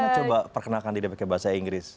coba perkenalkan dia pakai bahasa inggris